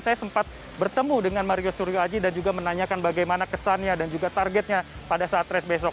saya sempat bertemu dengan mario suryo aji dan juga menanyakan bagaimana kesannya dan juga targetnya pada saat race besok